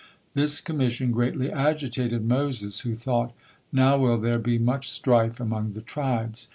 '" This commission greatly agitated Moses, who thought: "Now will there be much strife among the tribes.